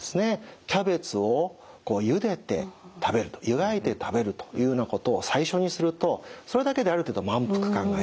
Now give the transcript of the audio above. キャベツをゆでて食べるとゆがいて食べるというようなことを最初にするとそれだけである程度満腹感が得られる。